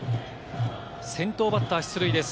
先頭バッター出塁です。